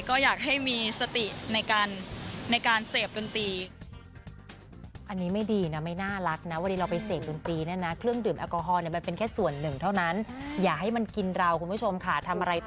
ก็อยากให้มีสติในการ